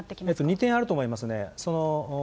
２点あると思いますね。